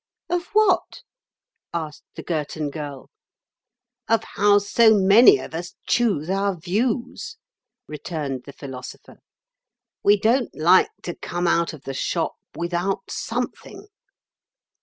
"Of what?" asked the Girton Girl. "Of how so many of us choose our views," returned the Philosopher; "we don't like to come out of the shop without something."